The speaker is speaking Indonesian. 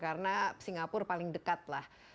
karena singapura paling dekat lah